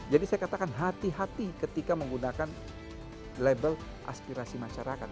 jadi saya katakan hati hati ketika menggunakan label aspirasi masyarakat